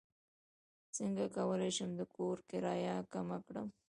څنګه کولی شم د کور کرایه کمه کړم